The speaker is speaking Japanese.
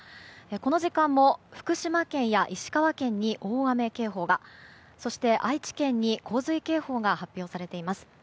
この時間も福島県や石川県に大雨警報がそして愛知県に洪水警報が発表されています。